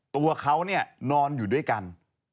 ตัวเขาเนี่ยนอนอยู่ด้วยกัน